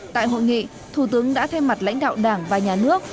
tại hội nghị thủ tướng đã thay mặt lãnh đạo đảng và nhà nước